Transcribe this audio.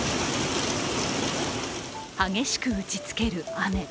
激しく打ちつける雨。